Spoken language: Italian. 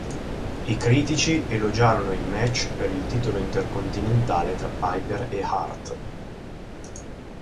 I critici elogiarono il match per il titolo intercontinentale tra Piper e Hart.